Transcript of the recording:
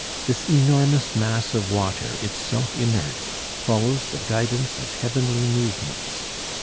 This enormous mass of water, itself inert, follows the guidance of heavenly movements.